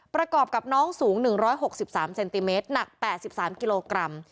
ประกอบกับน้องสูง๑๖๓เซนติเมตรหนัก๘๓กิโลกรัม